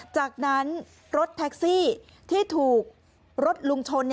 จากนั้นรถแท็กซี่ที่ถูกรถลุงชน